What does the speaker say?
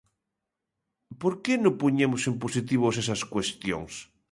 ¿Por que no poñemos en positivo esas cuestións?